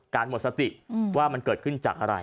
หมดสติว่ามันเกิดขึ้นจากอะไร